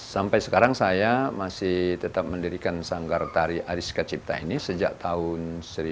sampai sekarang saya masih tetap mendirikan sanggar tari ariska cipta ini sejak tahun seribu sembilan ratus delapan puluh